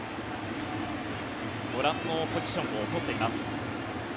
ご覧のポジションを取っています。